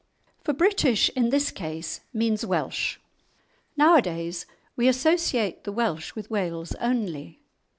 For "British" in this case means "Welsh." Nowadays we associate the Welsh with Wales only.